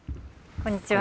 こんにちは。